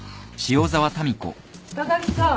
高木さん。